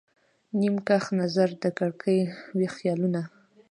نیم کښ نظر د کړکۍ، ویښ خیالونه